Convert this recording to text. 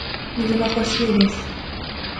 水が欲しいです